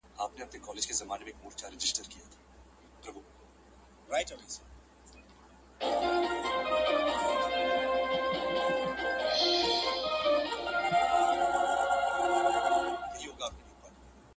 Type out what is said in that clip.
څو مېږیانو پکښي وکړل تقریرونه!.